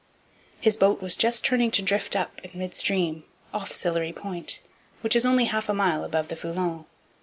His boat was just turning to drift up in midstream, off Sillery Point, which is only half a mile above the Foulon.